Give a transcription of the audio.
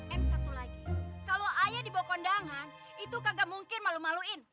eh satu lagi kalau ayah dibawa kondangan itu kagak mungkin malu maluin